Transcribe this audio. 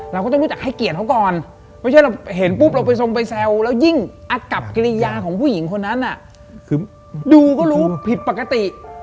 เราก็ต้องรู้จักให้เกียรติเขาก่อนไม่ใช่เราเห็นปุ๊บเราไปทรงไปแซวแล้วยิ่งอากับกิริยาของผู้หญิงคนนั้นน่ะคือดูก็รู้ผิดปกติ